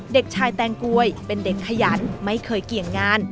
เด็กชายแตงกวยเป็นเด็กขยันไม่เคยเกี่ยงงาน